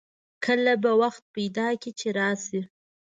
کله به وخت پیدا کړي چې راشئ